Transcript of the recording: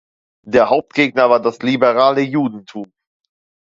Der Hauptgegner war das liberale Judentum.